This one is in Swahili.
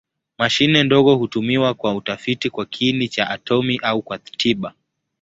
Mashine ndogo hutumiwa kwa utafiti kwa kiini cha atomi au kwa tiba.